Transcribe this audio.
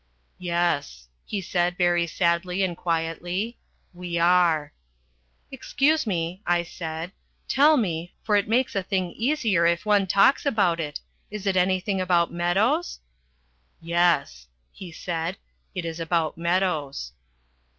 "Yes," he said very sadly and quietly, "we are." "Excuse me," I said. "Tell me for it makes a thing easier if one talks about it is it anything about Meadows?" "Yes," he said, "it is about Meadows."